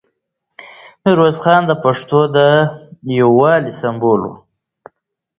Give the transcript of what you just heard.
میرویس خان د پښتنو د یووالي سمبول و.